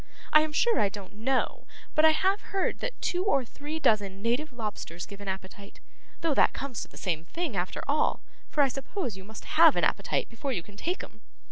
I am sure I don't know, but I have heard that two or three dozen native lobsters give an appetite, though that comes to the same thing after all, for I suppose you must have an appetite before you can take 'em.